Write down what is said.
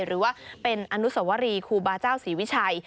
หรือว่าเป็นอนุสวรีครูบาเจ้าศรีวิชัย